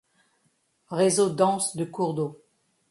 Réseau dense de cours d'eau.